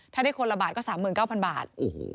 ถ้าได้คนละบาทก็๓๙๐๐บาท